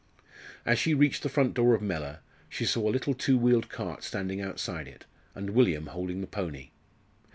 As she reached the front door of Mellor, she saw a little two wheeled cart standing outside it, and William holding the pony.